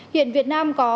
hiện việt nam có